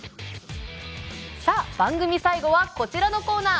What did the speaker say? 番組最後はこちらのコーナー。